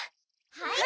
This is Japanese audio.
はい！